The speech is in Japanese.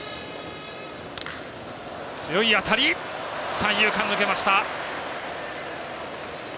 三遊間、抜けました。